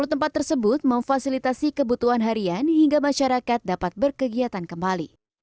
sepuluh tempat tersebut memfasilitasi kebutuhan harian hingga masyarakat dapat berkegiatan kembali